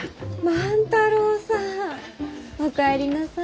万太郎さん！お帰りなさい。